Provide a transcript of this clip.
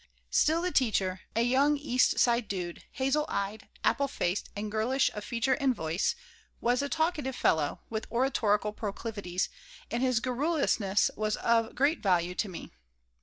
Still, the teacher a young East Side dude, hazel eyed, apple faced, and girlish of feature and voice was a talkative fellow, with oratorical proclivities, and his garrulousness was of great value to me.